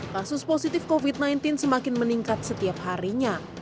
kasus positif covid sembilan belas semakin meningkat setiap harinya